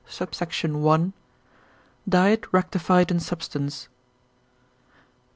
SUBSECT. I.—Diet rectified in substance.